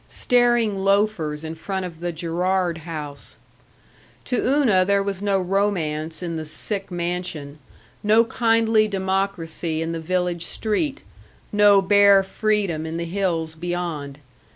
Staring loafers in front of the Girard House. To Una there was no romance in the sick mansion, no kindly democracy in the village street, no bare freedom in the hills beyond.